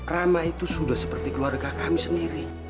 rama itu sudah seperti keluarga kami sendiri